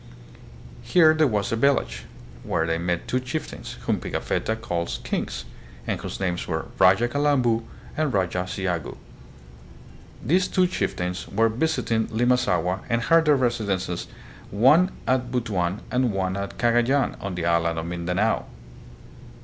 Here there was a village, where they met two chieftains, whom Pigafetta calls " kings," and whose names were Raja Calambu and Raja Ciagu. These two chieftains were visiting Limasaua and had their residences one at Butuan and one at Cagayan on the island of Mindanao.